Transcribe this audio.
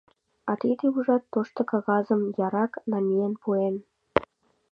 А тиде, ужат, тошто кагазым ярак намиен пуэн.